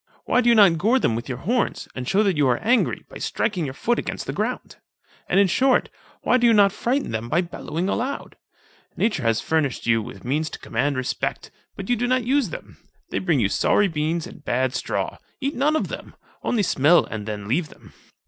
why do you not gore them with your horns, and shew that you arc angry, by striking your foot against the ground? And, in short, why do not you frighten them by bellowing aloud? Nature has furnished you with means to command respect; but you do not use them. They bring you sorry beans and bad straw; eat none of them, only smell and then leave them.